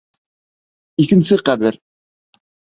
Икенсе ҡәбер.